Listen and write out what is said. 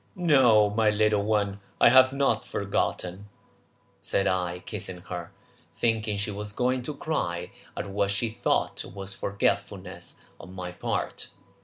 "No, my little one, I have not forgotten it," said I, kissing her, thinking she was going to cry at what she thought was forgetfulness on my part.